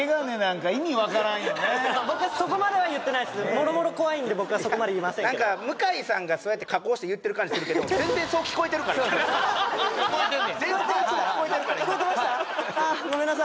もろもろ怖いんで僕はそこまで言いませんけど向井さんがそうやって加工して言ってる感じするけど全然そう聞こえてるからな全然そう聞こえてるから今聞こえてました？